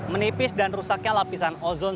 menipis dan rusaknya lapisan ozon